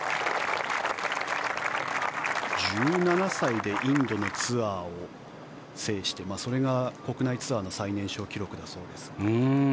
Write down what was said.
１７歳でインドのツアーを制してそれが国内ツアーの最年少記録だそうです。